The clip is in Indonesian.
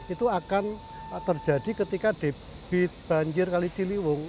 itu akan terjadi ketika debit banjir kali ciliwung